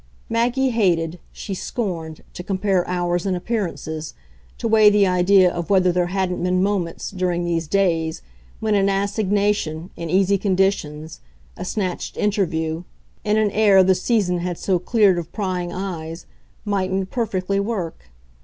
Maggie hated, she scorned, to compare hours and appearances, to weigh the idea of whether there hadn't been moments, during these days, when an assignation, in easy conditions, a snatched interview, in an air the season had so cleared of prying eyes, mightn't perfectly work.